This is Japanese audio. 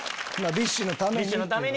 ＢｉＳＨのために。